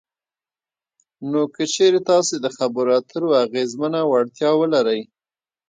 نو که چېرې تاسې دخبرو اترو اغیزمنه وړتیا ولرئ